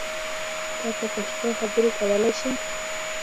ته په پښتو خبری کولای شی!